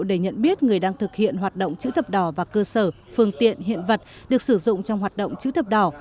để nhận biết người đang thực hiện hoạt động chữ thập đỏ và cơ sở phương tiện hiện vật được sử dụng trong hoạt động chữ thập đỏ